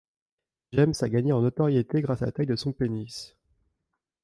James a gagné en notoriété grâce à la taille de son pénis.